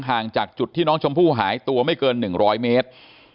ห่างจากจุดที่น้องชมพู่หายตัวไม่เกิน๑๐๐เมตร